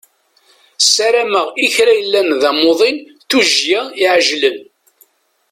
Ssarameɣ i kra yellan d amuḍin tujjya iɛejlen.